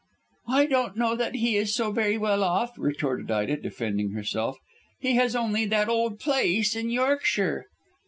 "I don't know that he is so very well off," retorted Ida, defending herself; "he has only that old place in Yorkshire."